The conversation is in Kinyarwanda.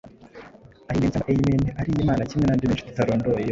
Imen cyangwa Amen ariyo Imana kimwe n’andi menshi tutarondoye yose